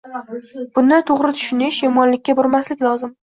Buni to‘g‘ri tushunish, yomonlikka burmaslik lozim.